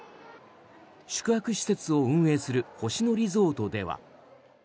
宿泊施設を運営する星野リゾートでは。